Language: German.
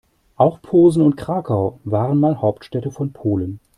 Auch Posen und Krakau waren mal Hauptstädte von Polen.